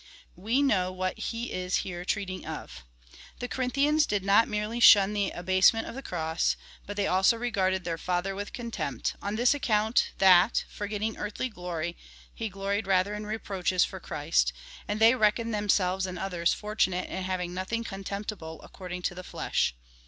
We know what he is here treating of The Corinthians did not merely shun the abasement of the cross, but they also regarded their father with contempt, on this account, that, forgetting earthly glory, he gloried rather in reproaches for Christ ; and they reckoned themselves and others fortunate in having nothing contemptible according to the flesh.